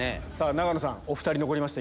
永野さんお２人残りました